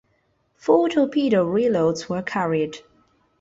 Four torpedo reloads were carried.